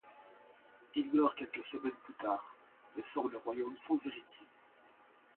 Il meurt quelques semaines plus tard, laissant le royaume sans héritier.